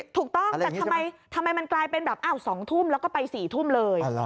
ถูกต้องแต่ทำไมมันกลายเป็นแบบ๒ทุ่มแล้วก็ไป๔ทุ่มเลย